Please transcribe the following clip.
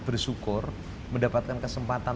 bersyukur mendapatkan kesempatan